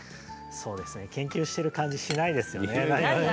そうですよね研究している感じがないですよね。